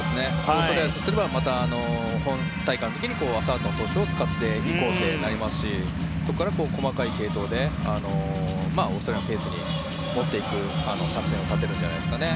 オーストラリアとしては本大会の時にアサートン投手を使っていこうとなりますしそこから細かい継投でオーストラリアのペースに持っていくという作戦を立てるんじゃないですかね。